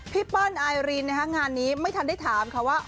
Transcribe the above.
เปิ้ลไอรินงานนี้ไม่ทันได้ถามค่ะว่า